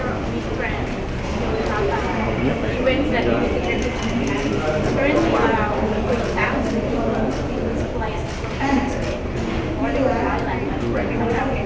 ก็ง่ายครับแกก็บอกว่าถ้าเราคิดถึงความเป็นมนุษยชาติหรือมนุษยธรรมหรือสิทธิ์มนุษยชนเนี่ย